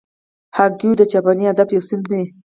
هایکو د جاپاني ادب یو صنف دئ.